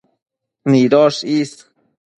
nidosh is